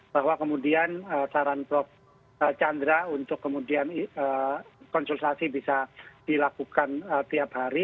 bahwa kemudian saran prof chandra untuk kemudian konsultasi bisa dilakukan tiap hari